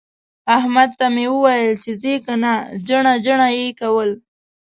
احمد ته مې وويل چې ځې که نه؟ جڼه جڼه يې کول.